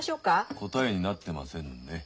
答えになってませんね。